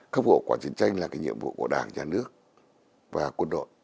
khắp hộ quả chiến tranh là nhiệm vụ của đảng nhà nước và quân đội